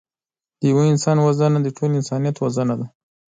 د یوه انسان وژنه د ټول انسانیت وژنه ده